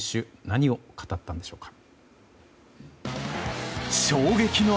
何を語ったんでしょうか。